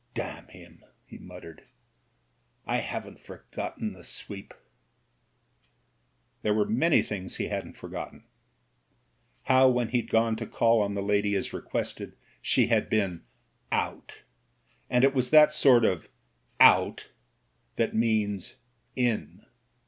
"Damn him," he muttered. "I haven't forgotten the sweep." There were many things he hadn't forgotten ; how, when he'd gone to call on the lady as requested, she had been "out," and it was that sort of "out" that means "in."